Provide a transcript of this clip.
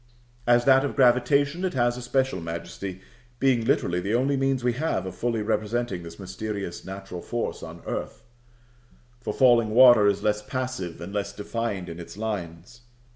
As that of gravitation, it has especial majesty, being literally the only means we have of fully representing this mysterious natural force of earth (for falling water is less passive and less defined in its lines).